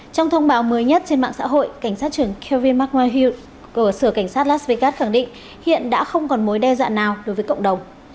trong thông báo mới nhất trên mạng xã hội cảnh sát trưởng kevin mcleod ở sở cảnh sát las vegas khẳng định hiện đã không còn mối đe dạng nào đối với cộng đồng